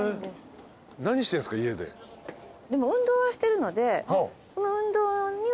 運動はしてるので。